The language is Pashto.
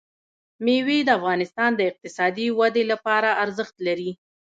مېوې د افغانستان د اقتصادي ودې لپاره ارزښت لري.